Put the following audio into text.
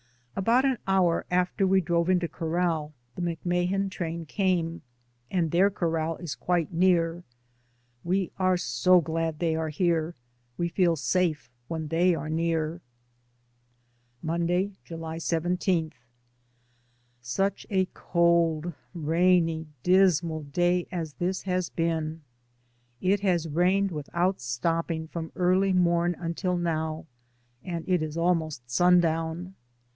About an hour after we drove into corral the McMahan train came, and their corral is quite near. We are so glad they are here; we feel safe when they are near. 154 DAYS ON THE ROAD. Monday, July 17. Such a cold, rainy, dismal day as this has been. It has rained without stopping from early morn until now, and it is almost sun down.